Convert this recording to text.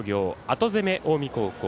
後攻め、近江高校。